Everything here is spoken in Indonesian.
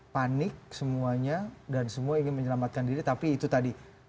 panik semuanya dan semua ingin menyelamatkan diri tapi itu tadi